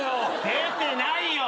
出てないよ。